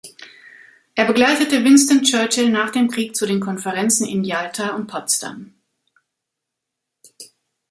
Er begleitete Winston Churchill nach dem Krieg zu den Konferenzen in Jalta und Potsdam.